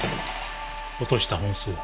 落とした本数は？